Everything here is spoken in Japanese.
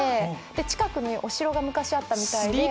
近くにお城が昔あったみたいで。